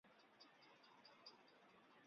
类花岗园蛛为园蛛科园蛛属的动物。